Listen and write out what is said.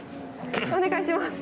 お願いします。